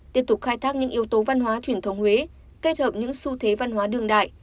tiếp tục khai thác những yếu tố văn hóa truyền thống huế kết hợp những xu thế văn hóa đường đại